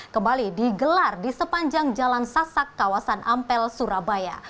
kembali digelar di sepanjang jalan sasak kawasan ampel surabaya